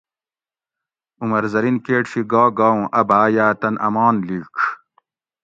عمر زرین کیٹ شی گا گا اُوں ا بھاۤ یاۤ تن امان لِیڄ